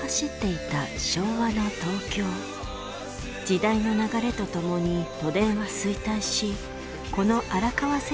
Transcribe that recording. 時代の流れとともに都電は衰退しこの荒川線だけが残りました。